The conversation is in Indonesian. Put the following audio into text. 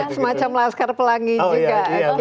semacam laskar pelangi juga